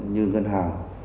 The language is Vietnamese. như ngân hàng